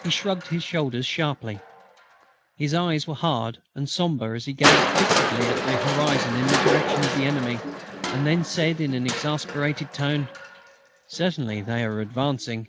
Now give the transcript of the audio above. He shrugged his shoulders sharply. His eyes were hard and sombre as he gazed fixedly at the horizon in the direction of the enemy, and then said in an exasperated tone: "Certainly, they are advancing.